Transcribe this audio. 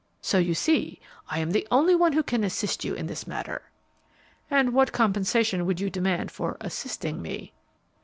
So you see I am the only one who can assist you in this matter." "And what compensation would you demand for 'assisting' me?"